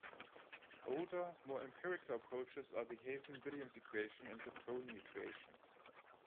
Older, more empirical approaches are the Hazen-Williams equation and the Prony equation.